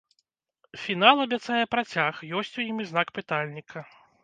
Фінал абяцае працяг, ёсць у ім і знак пытальніка.